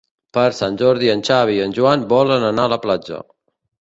Per Sant Jordi en Xavi i en Joan volen anar a la platja.